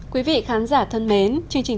quý vị khán giả thân mến chương trình